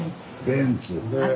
ベンツ。